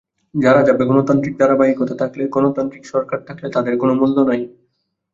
যারা ভাবে, গণতান্ত্রিক ধারাবাহিকতা থাকলে, গণতান্ত্রিক সরকার থাকলে তাদের কোন মূল্য নাই।